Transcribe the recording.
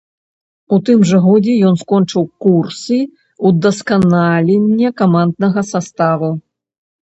У тым жа годзе ён скончыў курсы ўдасканалення каманднага саставу.